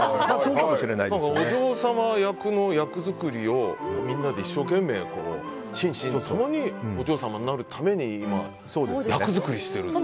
お嬢様役の役作りをみんなで一生懸命心身ともにお嬢様になるために今、役作りしてると。